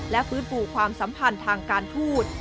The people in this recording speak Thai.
และฟื้นฟูความสัมพันธ์ทางการทูต